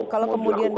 kalau kemudian kita